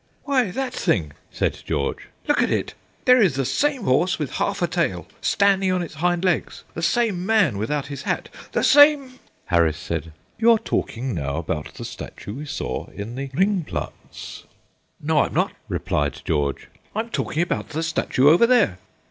"Why, that thing," said George; "look at it! There is the same horse with half a tail, standing on its hind legs; the same man without his hat; the same " Harris said: "You are talking now about the statue we saw in the Ringplatz." "No, I'm not," replied George; "I'm talking about the statue over there."